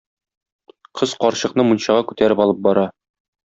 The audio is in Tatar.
Кыз карчыкны мунчага күтәреп алып бара.